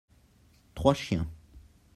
trois chiens.